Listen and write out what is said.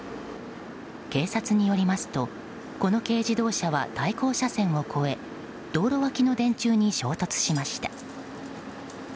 警察によりますとこの軽自動車は対向車線を越え道路脇の電柱に衝突しました。